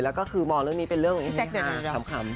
แล้วก็คือมองเรื่องนี้เป็นเรื่องอย่างนี้ค่ะ